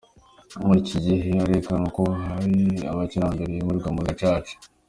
Muri iki gice hazerekanwa uko kera amakimbirane yakemurirwaga muri Gacaca.